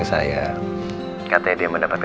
rena makan yang pintar ya